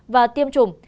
và tiêm chủng